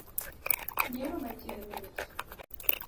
Nyiero machien mit